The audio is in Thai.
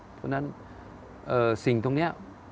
เพราะฉะนั้นสิ่งตรงนี้